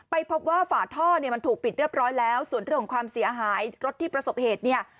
ไปพบว่าฝาท่อเนี่ยมันถูกปิดเรียบร้อยแล้วส่วนเรื่องของความเสียหายรถที่ประสบเหตุเนี่ย